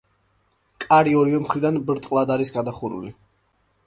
კარი ორივე მხრიდან ბრტყლად არის გადახურული.